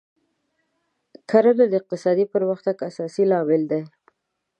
کرنه د اقتصادي پرمختګ اساسي لامل دی.